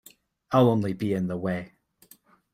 I'll only be in the way.